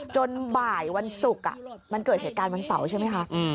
จนบ่ายวันศุกร์มันเกิดเหตุการณ์วันเสาร์ใช่ไหมคะ